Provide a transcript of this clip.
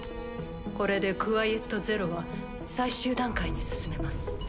これでクワイエット・ゼロは最終段階に進めます。